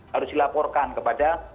harus dilaporkan kepada